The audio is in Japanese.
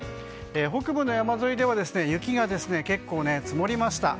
北部の山沿いでは雪が結構積もりました。